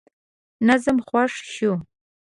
نظم خوښ شو.